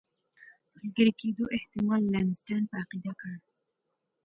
ملګري کېدلو احتمال لمسډن په عقیده کړ.